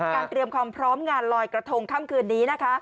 เตรียมความพร้อมงานลอยกระทงค่ำคืนนี้นะคะ